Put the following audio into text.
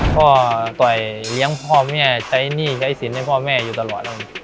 ต่อยเลี้ยงพ่อแม่ใช้หนี้ใช้สินให้พ่อแม่อยู่ตลอดแล้ว